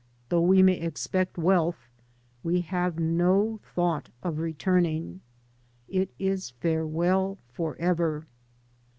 Though we may expect wealth, we have no thought of returning. It is farewell forever.